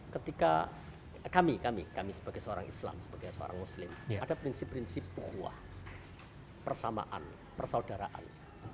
ketika kami kami sebagai seorang islam sebagai seorang muslim ada prinsip prinsip bahwa persamaan persaudaraan